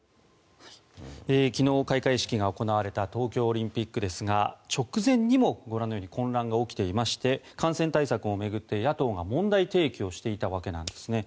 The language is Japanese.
昨日、開会式が行われた東京オリンピックですが直前にもご覧のように混乱が起きていまして感染対策を巡って野党が問題提起をしていたわけなんですね。